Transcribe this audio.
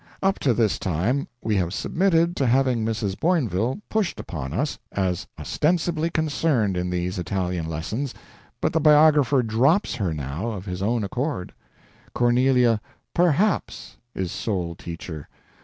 Up to this time we have submitted to having Mrs. Boinville pushed upon us as ostensibly concerned in these Italian lessons, but the biographer drops her now, of his own accord. Cornelia "perhaps" is sole teacher.